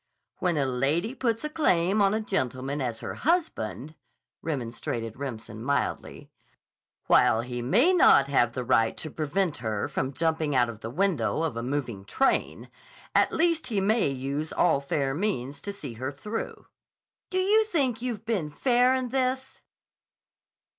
"When a lady puts a claim on a gentleman as her husband," remonstrated Remsen mildly, "while he may not have the right to prevent her from jumping out of the window of a moving train, at least he may use all fair means to see her through." "Do you think you've been fair in this?"